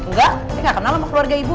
enggak saya gak kenal sama keluarga ibu